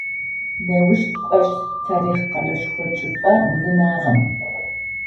Неущ тыкӏощт тарихъ къэлэшхоу чӏыпӏэ бгынагъэм.